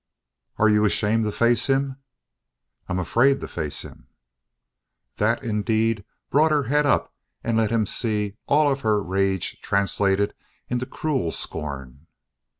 "Are you ashamed to face him?" "I'm afraid to face him." That, indeed, brought her head up and let him see all of her rage translated into cruel scorn.